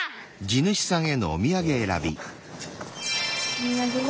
お土産は。